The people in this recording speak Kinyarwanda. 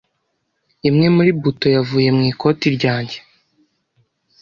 Imwe muri buto yavuye mu ikoti ryanjye.